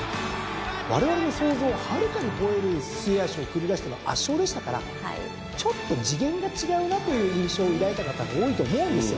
われわれの想像をはるかに超える末脚を繰り出しての圧勝でしたからちょっと次元が違うなという印象を抱いた方が多いと思うんですよ。